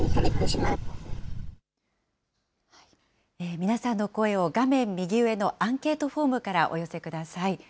皆さんの声を、画面右上のアンケートフォームからお寄せください。